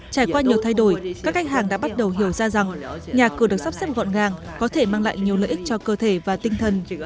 trải qua nhiều thay đổi các khách hàng đã bắt đầu hiểu ra rằng nhà cửa được sắp xếp gọn gàng có thể mang lại nhiều lợi ích cho cơ thể và tinh thần